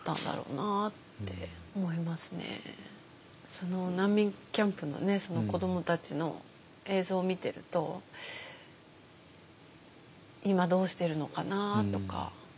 その難民キャンプのね子どもたちの映像を見てると今どうしてるのかな？とか。